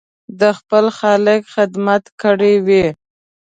د خپل خالق خدمت کړی وي.